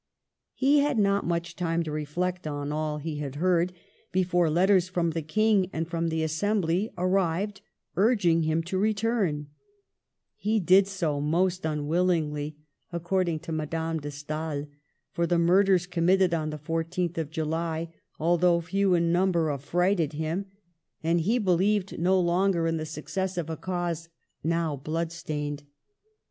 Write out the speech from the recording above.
He had not much time to reflect on all he had heard before letters from the King and from the Assem bly arrived urging him to return. He did so most unwillingly, according to Madame de Stael, for the murders committed on the 14th July, although few in number, affrighted him, and "he Digitized by VjOOQIC 48 MADAME DE STA&L. believed no longer in the success of a cause now blood stained."